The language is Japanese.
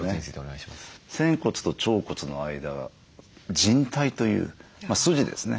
仙骨と腸骨の間靭帯という筋ですね